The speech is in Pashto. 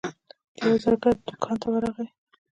د یوه زرګر دوکان ته ورغی.